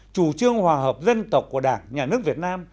chủ trương hòa hợp dân tộc của đảng nhà nước việt nam